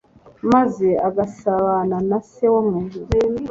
maze agasabana na Se wo mu ijuru.